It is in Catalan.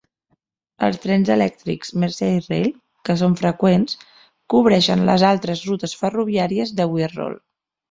Els trens elèctrics Merseyrail, que són freqüents, cobreixen les altres rutes ferroviàries de Wirral.